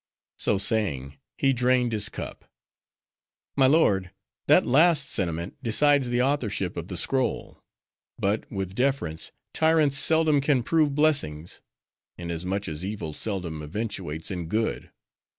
So saying he drained his cup. "My lord, that last sentiment decides the authorship of the scroll. But, with deference, tyrants seldom can prove blessings; inasmuch as evil seldom eventuates in good.